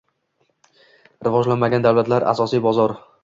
Rivojlanmagan davlatlar — asosiy bozor